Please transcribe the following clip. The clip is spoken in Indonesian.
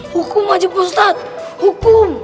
hukum aja bapak ustadz hukum